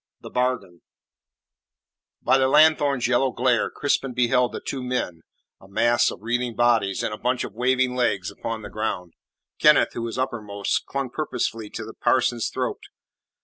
THE BARGAIN By the lanthorn's yellow glare Crispin beheld the two men a mass of writhing bodies and a bunch of waving legs upon the ground. Kenneth, who was uppermost, clung purposefully to the parson's throat.